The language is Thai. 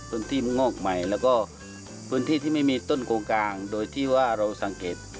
พื้นที่งอกใหม่แล้วก็พื้นที่ที่ไม่มีต้นโกงกลางโดยที่ว่าเราสังเกต